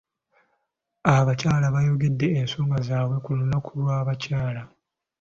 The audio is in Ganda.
Abakyala baayogedde ensonga zaabwe ku lunaku lw'abakyala.